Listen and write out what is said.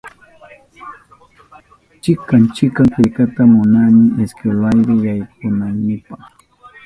Chikan chikan killkata munani iskwelapi yaykunaynipa